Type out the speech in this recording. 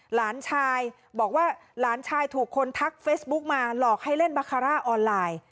หลานชายบอกว่าหลานชายถูกคนทักเฟซบุ๊กมาหลอกให้เล่นบาคาร่าออนไลน์